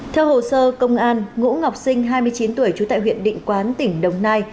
theo hồ sơ công an ngũ ngọc sinh hai mươi chín tuổi trú tại huyện định quán tỉnh đồng nai